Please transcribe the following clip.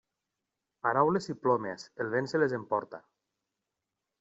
Paraules i plomes, el vent se les emporta.